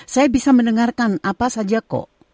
saya bisa mendengarkan apa saja kok